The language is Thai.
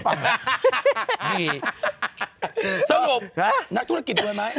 ผอยลูกคนสุชาติ